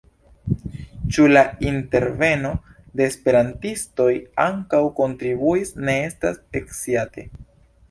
Ĉu la interveno de esperantistoj ankaŭ kontribuis, ne estas sciate.